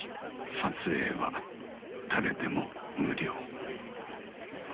撮影は誰でも無料。